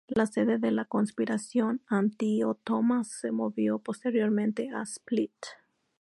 La sede de la conspiración anti-otomana se movió posteriormente a Split.